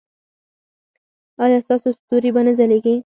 ایا ستاسو ستوري به نه ځلیږي؟